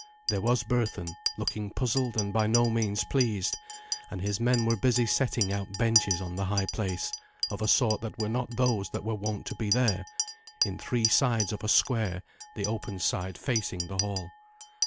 There was Berthun, looking puzzled and by no means pleased, and his men were busy setting out benches on the high place, of a sort that were not those that were wont to be there, in three sides of a square, the open side facing the hall.